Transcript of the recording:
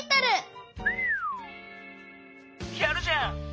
やるじゃん。